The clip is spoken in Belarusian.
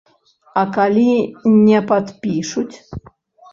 А калі не падпішуць?